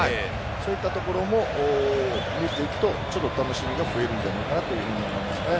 そういったところも見ていくと楽しみが増えるんじゃないかなと思いますね。